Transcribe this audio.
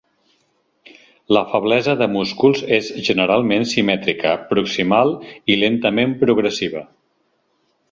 La feblesa de músculs és generalment simètrica, proximal i lentament progressiva.